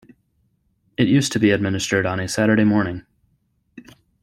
It used to be administered on a Saturday morning.